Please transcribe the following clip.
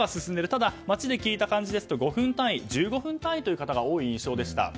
ただ、街で聞いた感じですと５分単位、１５分単位の方が多い印象でした。